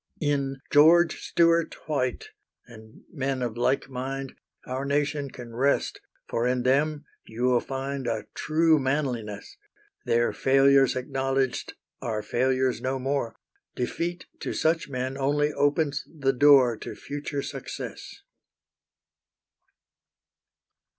In George Stewart White, and men of like mind, Our nation can rest, for in them you will find A true manliness; Their failures acknowledged are failures no more; Defeat to such men only opens the door To future success.